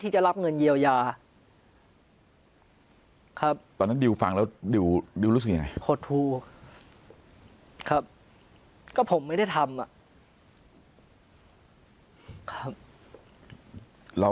ที่จะรับเงินเยียวยา